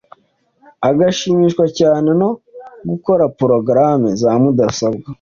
agashimishwa cyane no gukora porogaramu za mudasobwa